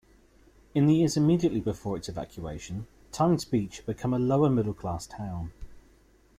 In the years immediately before its evacuation, Times Beach had become a lower-middle-class town.